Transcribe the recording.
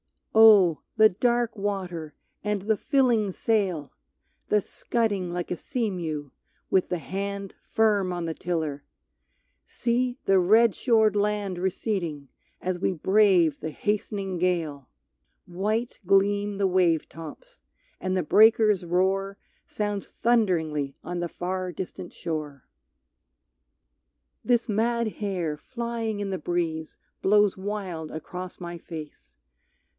Oh! the dark water, and the filling sail! The scudding like a sea mew, with the hand Firm on the tiller! See, the red shored land Receding, as we brave the hastening gale! White gleam the wave tops, and the breakers' roar Sounds thunderingly on the far distant shore. This mad hair flying in the breeze blows wild Across my face.